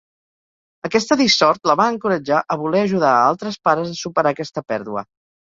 Aquesta dissort la va encoratjar a voler ajudar a altres pares a superar aquesta pèrdua.